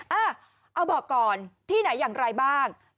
อ่ะเอาบอกก่อนที่ไหนอย่างไรบ้าง